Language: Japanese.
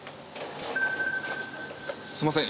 すいません